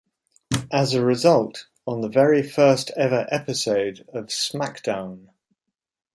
As a result, on the very first ever episode of SmackDown!